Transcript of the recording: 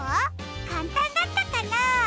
かんたんだったかな？